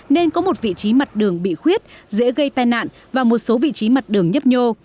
nên có một vị trí mặt đường bị khuyết dễ gây tai nạn và một số vị trí mặt đường nhấp nhô